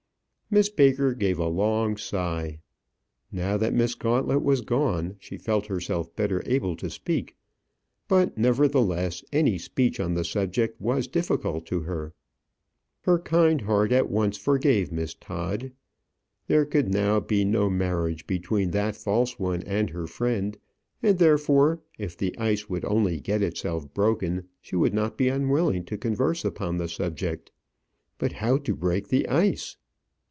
Miss Baker gave a long sigh. Now that Miss Gauntlet was gone she felt herself better able to speak; but, nevertheless, any speech on the subject was difficult to her. Her kind heart at once forgave Miss Todd. There could now be no marriage between that false one and her friend; and therefore, if the ice would only get itself broken, she would not be unwilling to converse upon the subject. But how to break the ice!